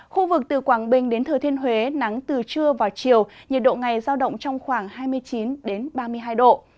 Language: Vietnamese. khu vực từ quảng bình đến thừa thiên huế nắng từ trưa vào chiều nhiệt độ ngày giao động trong khoảng hai mươi chín ba mươi hai độ